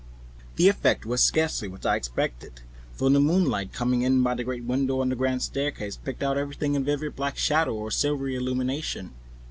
The effect was scarcely what I expected, for the moonlight, coming in by the great window on the grand staircase, picked out everything in vivid black shadow or reticulated silvery illumination.